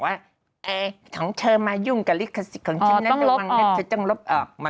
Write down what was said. แล้วไงไม่โดนลิขสิทธิ์คือทำอันเค้ายังไง